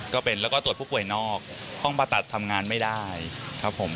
ก็เป็นแล้วก็ตรวจผู้ป่วยนอกห้องผ่าตัดทำงานไม่ได้ครับผม